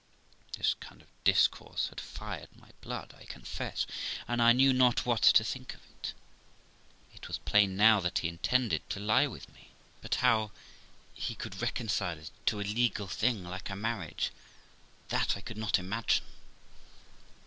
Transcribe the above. This kind of discourse had fired my blood, I confess, and I knew not what to think of it. It was plain now that he intended to lie with me, but how he would reconcile it to a legal thing, like a marriage, that I 214 THE LIFE OF ROXANA could not Imagine.